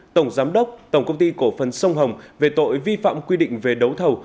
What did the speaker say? tổng giám đốc tổng công ty cổ phần sông hồng về tội vi phạm quy định về đấu thầu